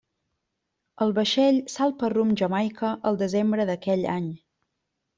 El vaixell salpa rumb Jamaica el desembre d'aquell any.